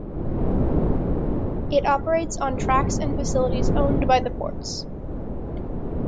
It operates on tracks and facilities owned by the ports.